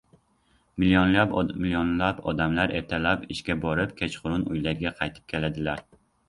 Millionlab odamlar ertalab ishga borib, kechqurun uylariga qaytib keladilar